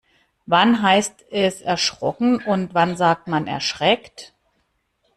Wann heißt es erschrocken und wann sagt man erschreckt?